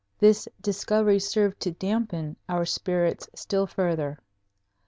This discovery served to dampen our spirits still further.